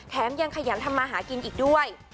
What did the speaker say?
แถมยังขยันทำมาหากินอีกด้วย